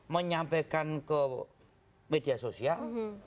menyampaikan ke media sosial